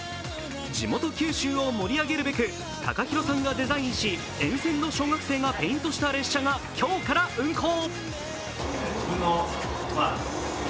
地元・九州を盛り上げるべくＴＡＫＡＨＩＲＯさんがデザインし沿線の小学生がペイントした列車が今日から運行。